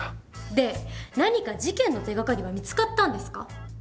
で何か事件の手がかりは見つかったんですか？